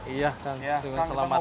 iya kan selamat datang